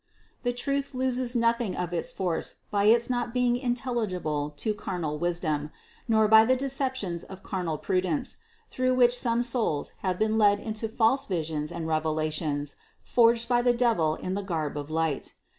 620. The truth loses nothing of its force by its not being intelligible to carnal wisdom : nor by the deceptions of carnal prudence, through which some souls have been led into false visions and revelations forged by the devil in the garb of light.